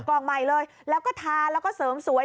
กล่องใหม่เลยแล้วก็ทานแล้วก็เสริมสวย